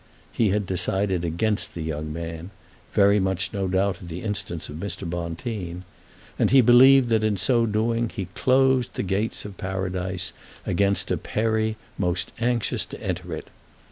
He had decided against the young man, very much no doubt at the instance of Mr. Bonteen, and he believed that in so doing he closed the Gates of Paradise against a Peri most anxious to enter it.